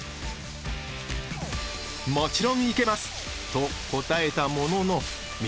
もちろん行けます！と答えたものの道